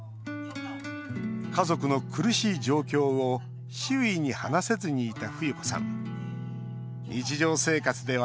家族の苦しい状況を周囲に話せずにいた冬子さん。